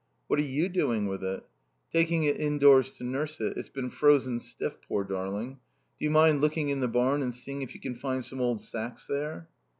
"What are you doing with it?" "Taking it indoors to nurse it. It's been frozen stiff, poor darling. Do you mind looking in the barn and seeing if you can find some old sacks there?"